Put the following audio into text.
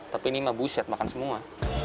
tapi ini mah buset makan semua